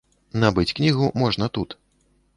Набыць кнігу можна тут.